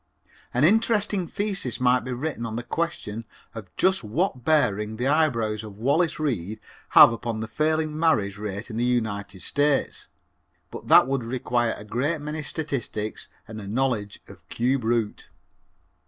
An interesting thesis might be written on the question of just what bearing the eyebrows of Wallace Reid have upon the falling marriage rate in the United States, but that would require a great many statistics and a knowledge of cube root.